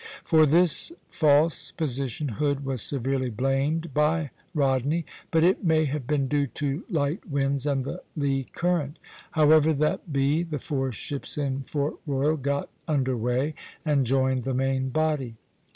For this false position Hood was severely blamed by Rodney, but it may have been due to light winds and the lee current. However that be, the four ships in Fort Royal got under way and joined the main body.